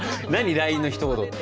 ＬＩＮＥのひと言って。